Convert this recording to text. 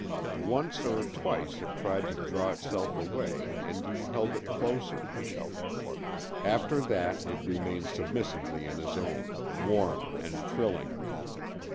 Once or twice it tried to draw itself away, and he held it closer. After that it remained submissively in his own, warm and thrilling.